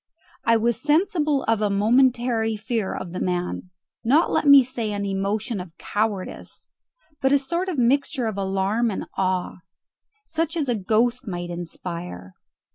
I was sensible of a momentary fear of the man not, let me say, an emotion of cowardice but a sort of mixture of alarm and awe, such as a ghost might inspire.